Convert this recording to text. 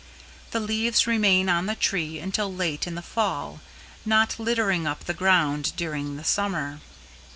The leaves remain on the tree until late in the Fall, not littering up the ground during the Summer.